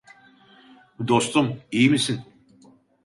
Dostum, iyi misin?